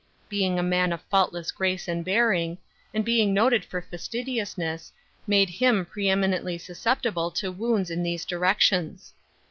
Being a man of faultless grace and bearing, and being noted for fastidiousness, made him pre eminently susceptible to wounds in these direc tions.